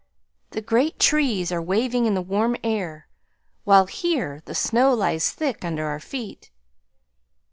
. the great trees are waving in the warm air, while here the snow lies thick under our feet